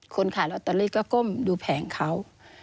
ขายลอตเตอรี่ก็ก้มดูแผงเขา